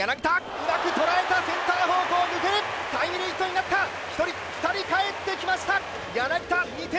うまくとらえたセンター方向抜けるタイムリーヒットになった１人２人かえってきました